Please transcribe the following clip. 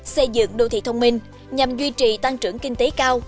xây dựng đô thị thông minh nhằm duy trì tăng trưởng kinh tế cao